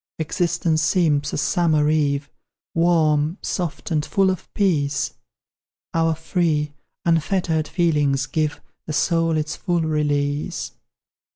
Existence seems a summer eve, Warm, soft, and full of peace, Our free, unfettered feelings give The soul its full release.